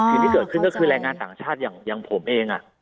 สิ่งที่เกิดขึ้นก็คือแรงงานต่างชาติอย่างผมเอง